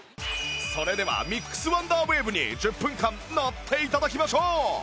それではミックスワンダーウェーブに１０分間乗って頂きましょう！